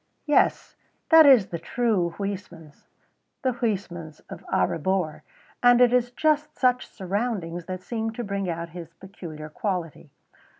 Yes, that is the true Huysmans, the Huysmans of A Rebours, and it is just such surroundings that seem to bring out his peculiar quality.